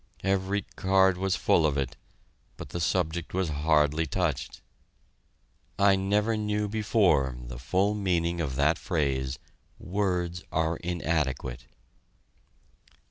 Every card was full of it, but the subject was hardly touched. I never knew before the full meaning of that phrase, "Words are inadequate."